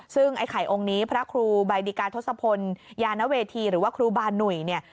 ซึ่งไอ้ไข่องค์นี้พระครูบายดิกาทศพลยานเวทีหรือว่าครูบาหนุ่ยเนี่ย